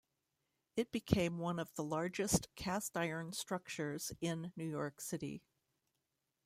It became one of the largest cast-iron structures in New York City.